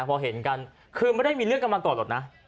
พอเห็นกันคือไม่ได้มีเรื่องกันมาตลอดหรอกนะ